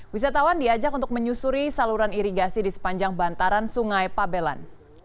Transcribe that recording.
wisatawan diajak untuk menyusuri saluran irigasi di sepanjang bantaran sungai pabelan